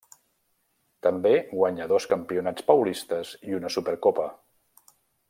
També guanya dos Campionats Paulistes i una Supercopa.